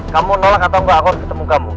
kamu nolak atau nggak aku harus ketemu kamu